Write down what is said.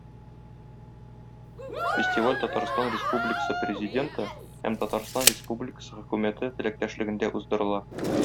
Фестиваль Татарстан Республикасы Президенты һәм Татарстан Республикасы Хөкүмәте теләктәшлегендә уздырыла.